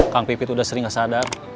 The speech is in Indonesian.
kang pipit udah sering sadar